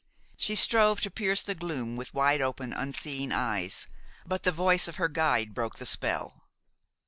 She strove to pierce the gloom with wide open, unseeing eyes, but the voice of her guide broke the spell.